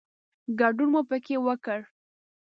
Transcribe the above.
ګډون مو پکې وکړ.